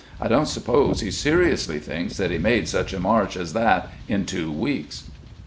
I don't sup pose he seriously thinks that he made such a march as that in two weeks."